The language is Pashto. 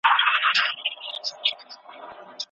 هغوی له بدو خلکو سره ملګرتیا نه کوي.